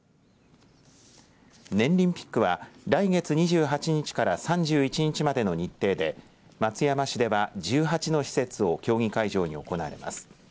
ねんりんピックは来月２８日から３１日までの日程で松山市では１８の施設を競技会場に行われます。